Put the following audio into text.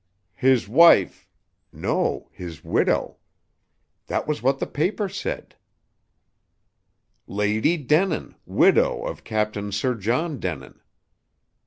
His wife no, his widow! That was what the paper said: "Lady Denin, widow of Captain Sir John Denin."